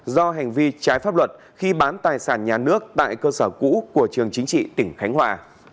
do hành vi trái pháp luật khi bán tài sản nhà nước tại cơ sở cũ của trường chính trị tỉnh khánh hòa